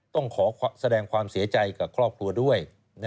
ต้องขอแสดงความเสียใจกับครอบครัวด้วย